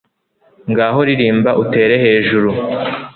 ngaho ririmba utere hejuru